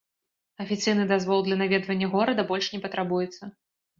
Афіцыйны дазвол для наведвання горада больш не патрабуецца.